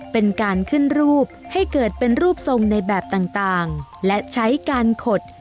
เป็นการขึ้นรูปให้เกิดเป็นรูปทรงในแบบต่างและใช้การขด